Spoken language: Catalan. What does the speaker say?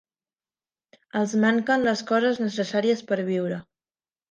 Els manquen les coses necessàries per viure.